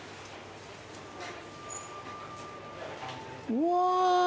うわ！